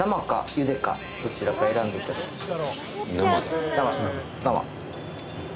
どちらか選んでいただいて。